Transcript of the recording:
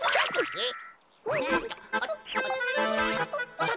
えっ？